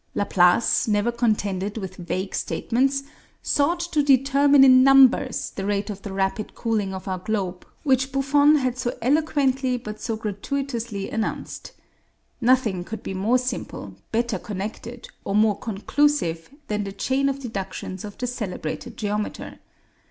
Laplace, never contented with vague statements, sought to determine in numbers the rate of the rapid cooling of our globe which Buffon had so eloquently but so gratuitously announced. Nothing could be more simple, better connected, or more conclusive than the chain of deductions of the celebrated geometer.